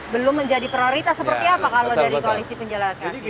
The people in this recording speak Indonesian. belum menjadi prioritas seperti apa kalau dari koalisi penjalaka